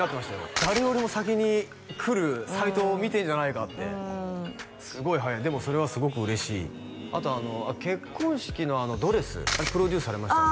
誰よりも先に来るサイトを見てんじゃないかってすごい速いでもそれはすごく嬉しいあと結婚式のドレスあれプロデュースされましたよね？